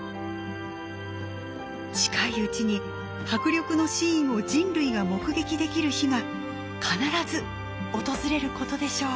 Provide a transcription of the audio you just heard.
近いうちに迫力のシーンを人類が目撃できる日が必ず訪れることでしょう。